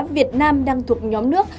việt nam đang thuộc nhóm nước